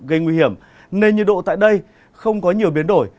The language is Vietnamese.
gây nguy hiểm nên nhiệt độ tại đây không có nhiều biến đổi